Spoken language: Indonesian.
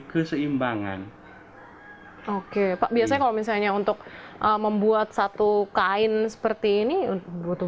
keseimbangan oke pak biasanya kalau misalnya untuk membuat satu kain seperti ini butuh